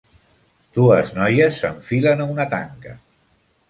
Dues noies s'enfilen a una tanca.